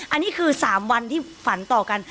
อันนี้คือ๓วันที่ฝันต่อกัน